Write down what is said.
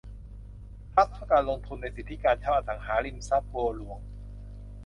ทรัสต์เพื่อการลงทุนในสิทธิการเช่าอสังหาริมทรัพย์บัวหลวง